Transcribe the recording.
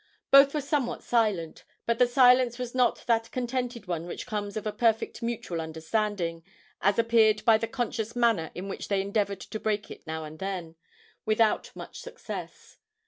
Both were somewhat silent, but the silence was not that contented one which comes of a perfect mutual understanding, as appeared by the conscious manner in which they endeavoured to break it now and then, without much success.